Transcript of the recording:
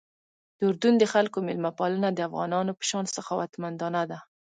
د اردن د خلکو میلمه پالنه د افغانانو په شان سخاوتمندانه ده.